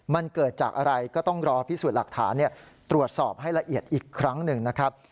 มันเกิดจากอะไรก็ต้องรอพิสูจน์หลักฐานตรวจสอบให้ละเอียดอีกครั้งหนึ่งนะครับ